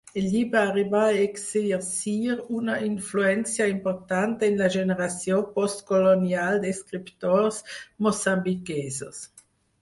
El llibre arribà a exercir una influència important en la generació postcolonial d'escriptors moçambiquesos.